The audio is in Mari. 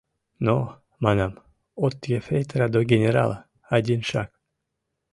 Но, — манам, — от ефрейтора до генерала — один шаг!